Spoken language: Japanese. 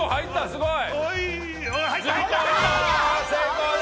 すごい！